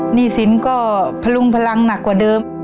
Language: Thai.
หนี้สินก็พลุงพลังหนักกว่าเดิม